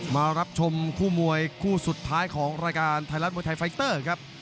มารับชมคู่มวยคู่สุดท้ายของรายการไทยรัฐมวยไทยไฟเตอร์ครับ